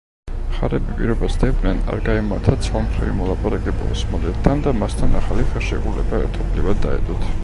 მხარეები პირობას დებდნენ არ გაემართათ ცალმხრივი მოლაპარაკება ოსმალეთთან და მასთან ახალი ხელშეკრულება ერთობლივად დაედოთ.